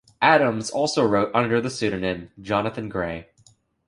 Adams also wrote under the pseudonym 'Jonathan Gray'.